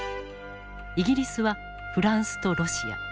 イギリスはフランスとロシア。